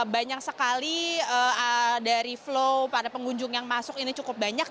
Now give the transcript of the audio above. banyak sekali dari flow para pengunjung yang masuk ini cukup banyak